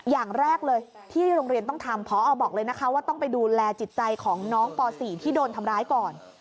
อย่างแรกเลยที่โรงเรียนต้องทำพอบอกเลยนะคะว่าต้องไปดูแลจิตใจของน้องป๔ที่โดนทำร้ายก่อน